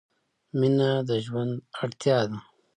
• مینه د ژوند اړتیا ده.